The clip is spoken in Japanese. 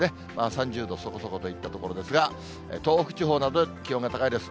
３０度そこそこといったところですが、東北地方など気温が高いです。